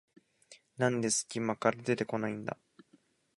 なんですき間から出てこないんだ